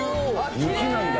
雪なんだ。